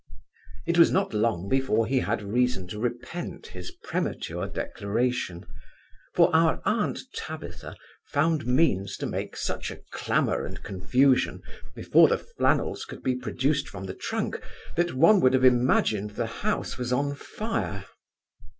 It was not long before he had reason to repent his premature declaration; for our aunt Tabitha found means to make such a clamour and confusion, before the flannels could be produced from the trunk, that one would have imagined the house was on fire.